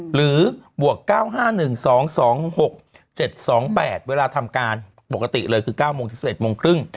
บวก๙๕๑๒๒๖๗๒๘เวลาทำการปกติเลยคือ๙โมงถึง๑๑โมงครึ่ง